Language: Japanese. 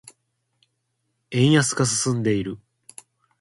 円安が進んでいる。